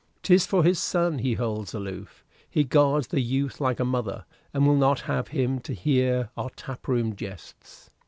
'Tis for his son he holds aloof. He guards the youth like a mother, and will not have him to hear our tap room jests.